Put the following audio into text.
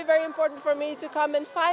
nên rất quan trọng cho tôi